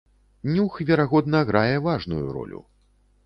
Нюх, верагодна, грае важную ролю.